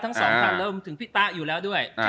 ทั้งสองท่านเริ่มถึงพี่ตะอยู่แล้วด้วย